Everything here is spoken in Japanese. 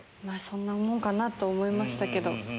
そんなもんかなと思いましたけど。